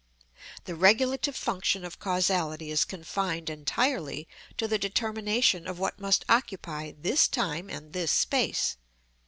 The regulative function of causality is confined entirely to the determination of what must occupy this time and this space.